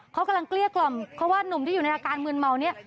เขากำลังเกลี้ยกล่อมเพราะว่านุ่มที่อยู่ในอาการมืนเมาเนี่ย